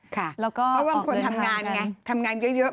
เพราะบางคนทำงานไงทำงานเยอะ